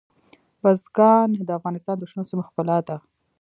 بزګان د افغانستان د شنو سیمو ښکلا ده.